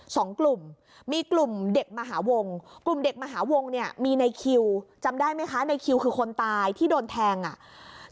สองกลุ่มมีกลุ่มเด็กมหาวงกลุ่มเด็กมหาวงเนี่ยมีในคิวจำได้ไหมคะในคิวคือคนตายที่โดนแทงอ่ะ